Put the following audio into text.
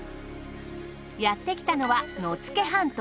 やってきたのは野付半島。